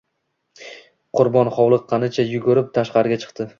Qurbon hovliqqanicha yugurib tashqariga chiqdi